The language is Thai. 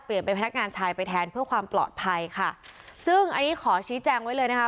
เป็นพนักงานชายไปแทนเพื่อความปลอดภัยค่ะซึ่งอันนี้ขอชี้แจงไว้เลยนะคะ